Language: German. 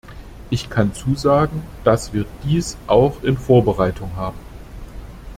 Ich kann zusagen, dass wir dies auch in Vorbereitung haben.